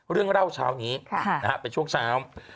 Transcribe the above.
เรื่องเล่าเช้านี้เป็นช่วงเช้า